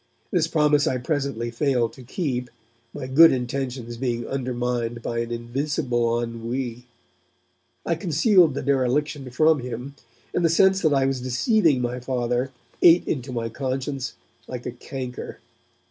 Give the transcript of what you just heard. This promise I presently failed to keep, my good intentions being undermined by an invincible ennui; I concealed the dereliction from him, and the sense that I was deceiving my Father ate into my conscience like a canker.